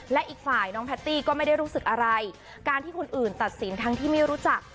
และอีกฝ่ายน้องแพตตี้ก็ไม่ได้รู้สึกอะไรการที่คนอื่นตัดสินทั้งที่ไม่รู้จัก